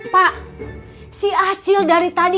pak si acil dari tadi